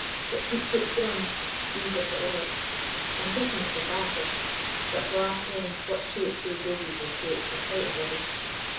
It keeps its grund, be what it like I'm judging it's a badger; but whae kens what shapes thae bogies will take to fright a body?